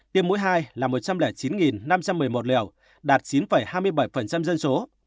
tiêm mũi hai là một trăm linh chín năm trăm một mươi một liều đạt chín hai mươi bảy dân số